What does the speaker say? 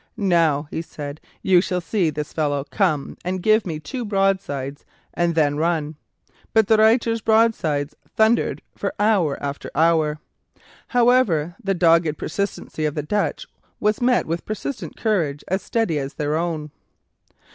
"Now," he said, "you shall see this fellow come and give me two broadsides and then run." But De Ruyter's broadsides thundered for hour after hour. However, the dogged persistency of the Dutch was met with persistent courage as steady as their own.